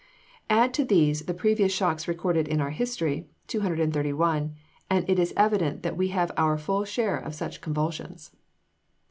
Add to these the previous shocks recorded in our history 231 and it is evident that we have our full share of such convulsions.